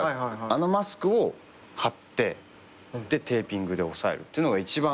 あのマスクを貼ってテーピングで押さえるってのが一番。